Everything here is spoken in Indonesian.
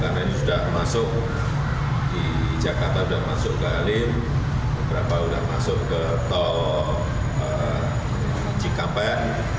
karena ini sudah masuk di jakarta sudah masuk ke halil beberapa sudah masuk ke tol cikampek